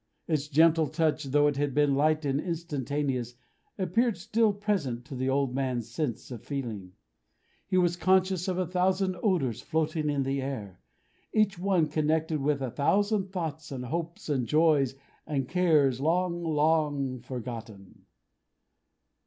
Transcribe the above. Its gentle touch, though it had been light and instantaneous, appeared still present to the old man's sense of feeling. He was conscious of a thousand odors floating in the air, each one connected with a thousand thoughts, and hopes, and joys, and cares long, long, forgotten!